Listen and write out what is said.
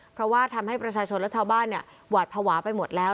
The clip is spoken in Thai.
เพราะว่าทำให้ประชาชนและชาวบ้านหวาดภาวะไปหมดแล้ว